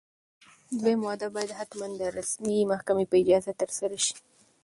دویم واده باید حتماً د رسمي محکمې په اجازه ترسره شي.